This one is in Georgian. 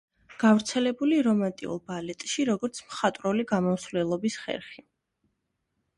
გავრცელებული რომანტიულ ბალეტში, როგორც მხატვრული გამომსახველობის ხერხი.